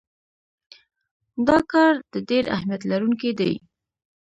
دا کار د ډیر اهمیت لرونکی دی.